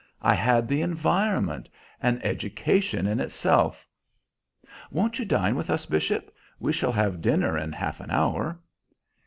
I had the environment an education in itself. Won't you dine with us, Bishop? We shall have dinner in half an hour."